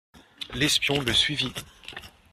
L'espion le suivit.